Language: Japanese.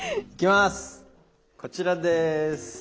こちらです。